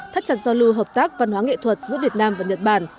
thắt chặt giao lưu hợp tác văn hóa nghệ thuật giữa việt nam và nhật bản